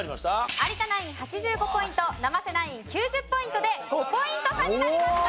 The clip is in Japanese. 有田ナイン８５ポイント生瀬ナイン９０ポイントで５ポイント差になりました！